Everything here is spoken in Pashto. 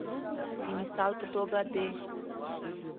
د مثال په توګه د